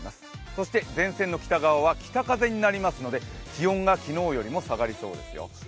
そして前線の北側は北風になりますので気温が昨日より下がりそうですよ。